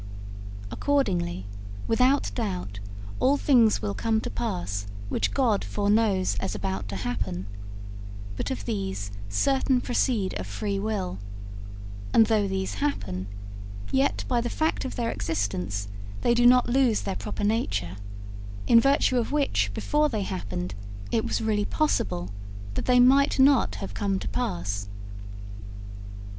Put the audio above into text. Accordingly, without doubt, all things will come to pass which God foreknows as about to happen, but of these certain proceed of free will; and though these happen, yet by the fact of their existence they do not lose their proper nature, in virtue of which before they happened it was really possible that they might not have come to pass.